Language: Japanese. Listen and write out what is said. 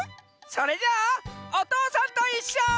それじゃ「おとうさんといっしょ」。